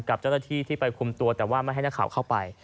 กับเจ้าหน้าที่ที่ไปคุมตัวแต่ว่าไม่ให้นักข่าวเข้าไป